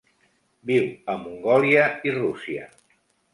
Viu a Mongòlia i Rússia.